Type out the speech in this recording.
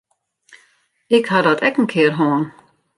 Ik ha dat ek in kear hân.